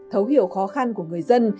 thấu hiểu khó khăn của người dân